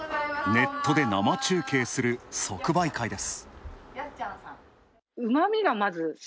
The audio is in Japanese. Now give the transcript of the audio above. ネットで生中継する即売会です。